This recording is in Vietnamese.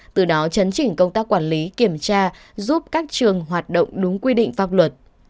từ đó chấn chỉnh công tác quản lý kiểm tra giúp các trường hoạt động đúng quy định pháp luật